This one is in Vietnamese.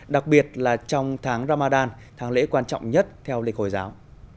đặc biệt là trong tháng ramadan tháng lễ quan trọng nhất theo lịch hồi giáo